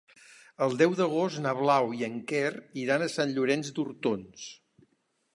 El deu d'agost na Blau i en Quer iran a Sant Llorenç d'Hortons.